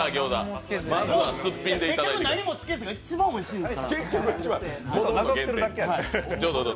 結局、何もつけずにが一番おいしいんです。